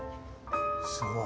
すごい。